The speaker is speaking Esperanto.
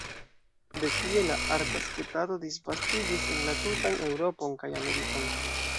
De tie la arta sketado disvastiĝis en la tutan Eŭropon kaj Amerikon.